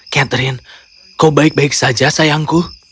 catherine kau baik baik saja sayangku